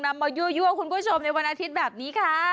นำมายั่วคุณผู้ชมในวันอาทิตย์แบบนี้ค่ะ